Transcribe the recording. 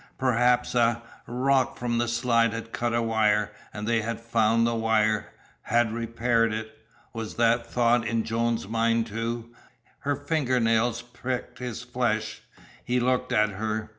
Perhaps a, rock from the slide had cut a wire, and they had found the wire had repaired it! Was that thought in Joanne's mind, too? Her finger nails pricked his flesh. He looked at her.